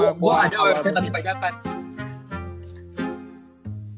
gue ada website tadi bajakan